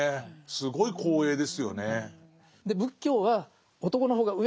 すごい光栄ですよね。